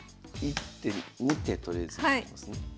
１手２手とりあえずいきますね。